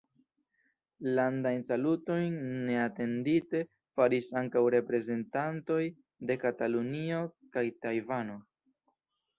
Landajn salutojn neatendite faris ankaŭ reprezentantoj de Katalunio kaj Tajvano.